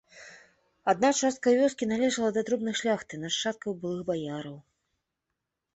Адна частка вёскі належала да дробнай шляхты, нашчадкаў былых баяраў.